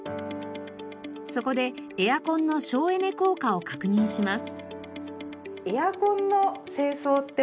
そこでエアコンの省エネ効果を確認します。